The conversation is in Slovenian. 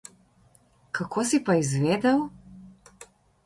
Kako si pa izvedel?